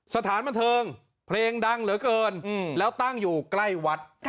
สถานบันเทิงเพลงดังเหลือเกินแล้วตั้งอยู่ใกล้วัด